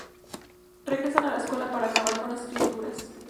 Regresan a la escuela para acabar con las criaturas.